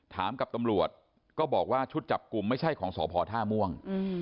กับตำรวจก็บอกว่าชุดจับกลุ่มไม่ใช่ของสพท่าม่วง